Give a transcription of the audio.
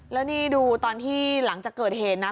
แล้วนี่ดูตอนที่หลังจากเกิดเหตุนะ